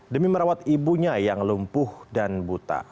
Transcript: demi merawat ibunya yang lumpuh dan buta